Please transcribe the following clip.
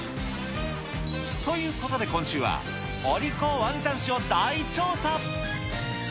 ということで今週は、お利口ワンちゃん史を大調査。